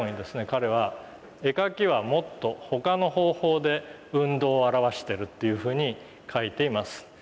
彼は「絵描きはもっと他の方法で運動をあらわしている」というふうに書いています。